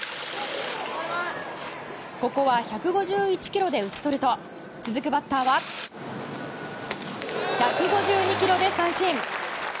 ここは１５１キロで打ち取ると続くバッターは１５２キロで三振。